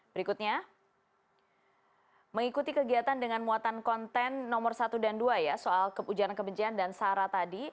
berikutnya mengikuti kegiatan dengan muatan konten nomor satu dan dua ya soal ujaran kebencian dan sara tadi